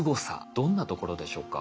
どんなところでしょうか？